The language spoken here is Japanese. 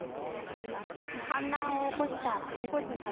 反乱を起こしたプリゴジン氏。